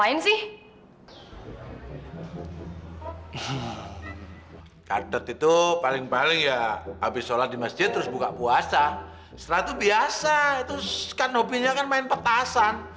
istana tuh biasa itu kan hobinya main petasan